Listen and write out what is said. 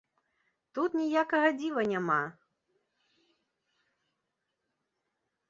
Тут ніякага дзіва няма!